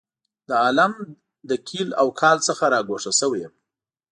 د عالم له قیل او قال څخه را ګوښه شوی یم.